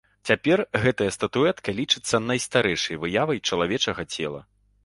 Цяпер гэтая статуэтка лічыцца найстарэйшай выявай чалавечага цела.